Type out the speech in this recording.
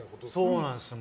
そうなんですよ。